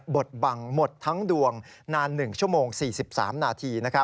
บทบังหมดทั้งดวงนาน๑ชั่วโมง๔๓นาที